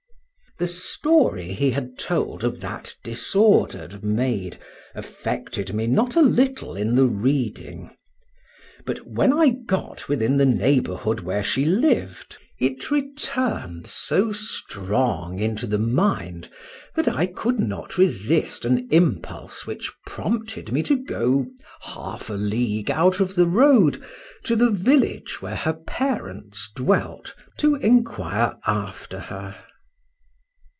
The story he had told of that disordered maid affected me not a little in the reading; but when I got within the neighbourhood where she lived, it returned so strong into the mind, that I could not resist an impulse which prompted me to go half a league out of the road, to the village where her parents dwelt, to enquire after her.